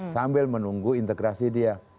sambil menunggu integrasi dia